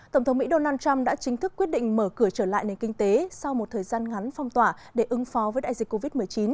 tổng thống mỹ donald trump đã chính thức quyết định mở cửa trở lại nền kinh tế sau một thời gian ngắn phong tỏa để ứng phó với đại dịch covid một mươi chín